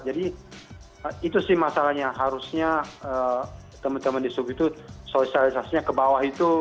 jadi itu sih masalahnya harusnya teman teman dishub itu sosialisasinya ke bawah itu